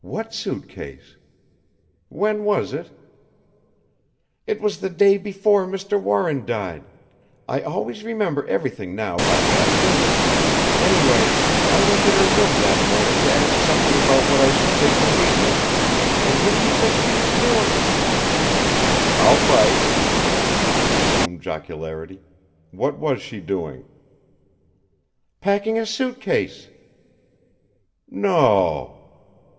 "What suit case? When was it?" "It was the day before Mr. Warren died I always remember everything now by that date. Anyway I went in her room that morning to ask something about what I should take to Hazel's and what do you think she was doing?" "I'll bite," he answered with assumed jocularity "what was she doing?" "Packing a suit case!" "No?"